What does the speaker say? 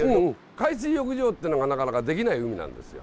海水浴場ってのがなかなかできない海なんですよ。